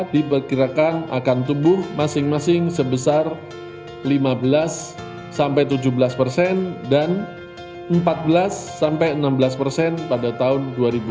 diperkirakan akan tumbuh masing masing sebesar lima belas sampai tujuh belas persen dan empat belas sampai enam belas persen pada tahun dua ribu dua puluh